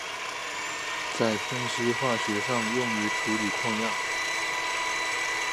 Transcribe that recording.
在分析化学上用于处理矿样。